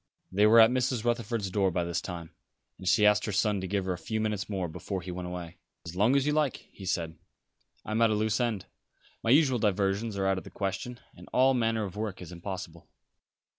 They were at Mrs. Rutherford's door by this time, and she asked her son to give her a few minutes more before he went away. "As long as you like," he said. "I am at a loose end. My usual diversions are out of the question; and all manner of work is impossible."